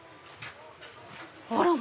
あら！